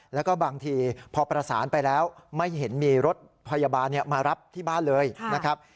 แล้วก็บางทีพอประสานไปแล้วไม่เห็นมีรถพยาบาลมารับที่บ้านเลยนะครับ